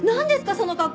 その格好。